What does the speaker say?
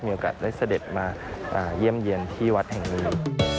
มีโอกาสได้เสด็จมาเยี่ยมเยี่ยมที่วัดแห่งนี้